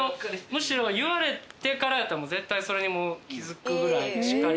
むしろ言われてからやったら絶対それに気付くぐらいしっかり。